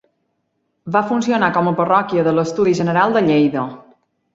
Va funcionar com a parròquia de l'Estudi General de Lleida.